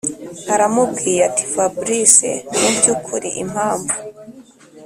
aramubwiye ati”fabric mubyukuri impamvu